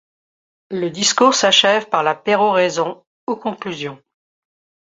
Le discours s’achève par la péroraison ou conclusion.